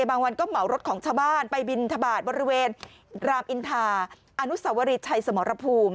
บางวันก็เหมารถของชาวบ้านไปบินทบาทบริเวณรามอินทาอนุสวรีชัยสมรภูมิ